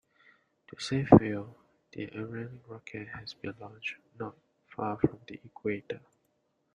To save fuel, the Ariane rocket has been launched not far from the equator.